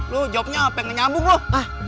lo jawabnya apa yang nyambung loh